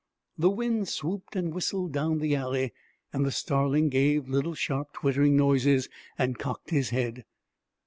The wind swooped and whistled down the alley, and the starling gave little sharp twittering noises and cocked his head.